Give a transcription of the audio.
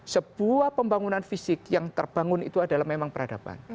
sebuah pembangunan fisik yang terbangun itu adalah memang peradaban